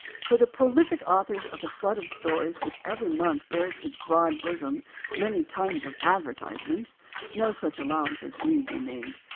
For the prolific authors of the flood of stories which every month bears on its broad bosom many tons of advertisements, no such allowance need be made.